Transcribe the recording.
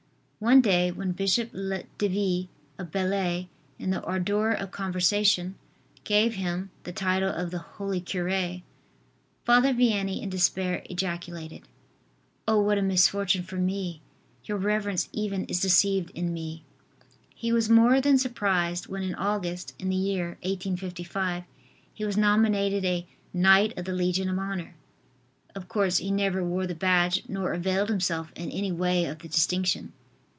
One day, when Bishop Devie, of Belley, in the ardor of conversation, gave him the title of the "holy cure," Father Vianney in despair ejaculated: "Oh, what a misfortune for me! Your reverence even is deceived in me." He was more than surprised when, in August, in the year 1855, he was nominated a "Knight of the Legion of Honor." Of course he never wore the badge nor availed himself in any way of the distinction.